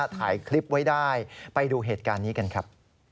ถ่ายคลิปไว้ได้ไปดูเหตุการณ์นี้กันครับ